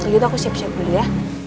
jadi itu aku siap siap dulu ya